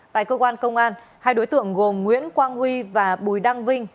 tại cơ quan công an hai đối tượng gồm nguyễn quang huy và bùi đăng vinh